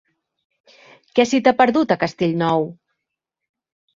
Què se t'hi ha perdut, a Castellnou?